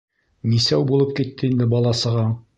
— Нисәү булып китте инде бала-сағаң?